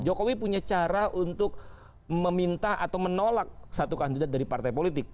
jokowi punya cara untuk meminta atau menolak satu kandidat dari partai politik